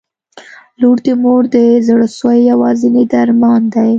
• لور د مور د زړسوي یوازینی درمان دی.